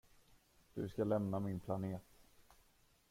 Du ska lämna min planet.